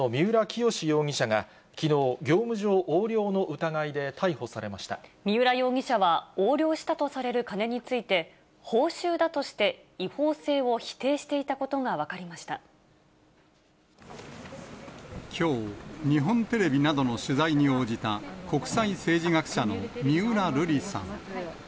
国際政治学者、三浦容疑者は横領したとされる金について、報酬だとして、違法性を否定していたことが分かきょう、日本テレビなどの取材に応じた国際政治学者の三浦瑠麗さん。